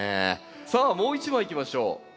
さあもう一枚いきましょう。